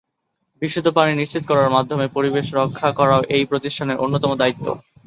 বিশুদ্ধ পানি নিশ্চিত করার মাধ্যমে পরিবেশ রক্ষা করাও এই প্রতিষ্ঠানের অন্যতম দায়িত্ব।